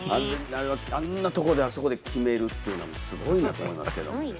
あんなとこであそこで決めるというのはすごいなと思いますけど。